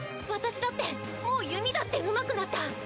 私だってもう弓だってうまくなった！